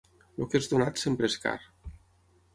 El que és donat sempre és car.